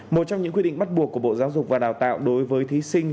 một trong những quy định bắt buộc của bộ giáo dục và đào tạo đối với thí sinh